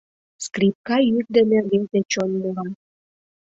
Скрипка йӱк дене рвезе чон мура…